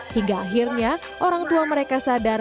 hingga akhirnya orang tua mereka sadar